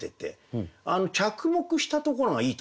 着目したところがいいと思いますね。